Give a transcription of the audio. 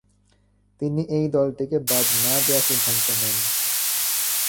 তিনি এই দলটিকে বাদ না দেয়ার সিদ্ধান্ত নেন।